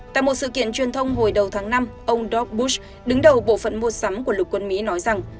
tại một sự kiện truyền thông hồi đầu tháng năm ông doug bush đứng đầu bộ phận mô sắm của lực quân mỹ nói rằng